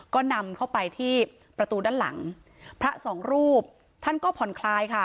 ก็นำเข้าไปที่ประตูด้านหลังพระสองรูปท่านก็ผ่อนคลายค่ะ